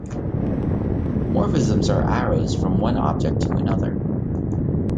Morphisms are arrows from one object to another.